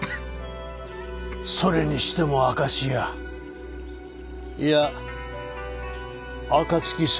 それにしても明石屋いや暁星